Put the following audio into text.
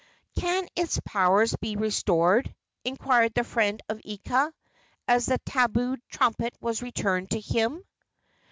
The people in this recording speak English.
"Can its powers be restored?" inquired the friend of Ika, as the tabued trumpet was returned to him.